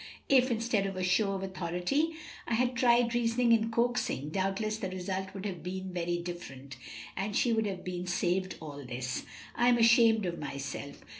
If, instead of a show of authority, I had tried reasoning and coaxing, doubtless the result would have been very different, and she would have been saved all this. I am ashamed of myself!